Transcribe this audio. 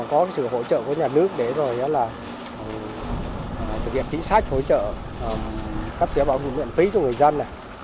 có sự hỗ trợ của nhà nước để thực hiện chính sách hỗ trợ cấp thẻ bảo hiểm y tế cho người dân